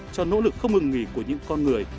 cho nỗ lực không ngừng nghỉ của những con người